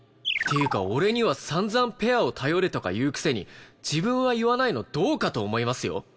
っていうか俺には散々ペアを頼れとか言うくせに自分は言わないのどうかと思いますよ。